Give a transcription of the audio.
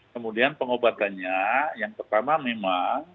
kemudian pengobatannya yang pertama memang